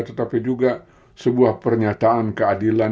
tetapi juga sebuah pernyataan keadilan